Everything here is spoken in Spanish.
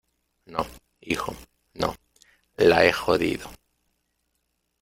no, hijo , no. la he jodido .